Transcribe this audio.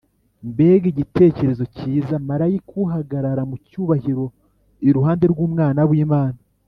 ’. Mbega igitekerezo cyiza - marayika uhagarara mu cyubahiro iruhande rw’Umwana w’Imana